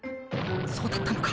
そうだったのか。